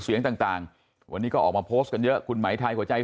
เสียงต่างวันนี้ก็ออกมาโพสต์กันเยอะคุณหมายไทยหัวใจ